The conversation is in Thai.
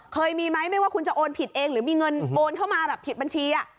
เคยมีไหมไม่ว่าคุณจะโอนผิดเองหรือมีเงินโอนเข้ามาแบบผิดบัญชี